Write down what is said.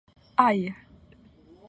Aj.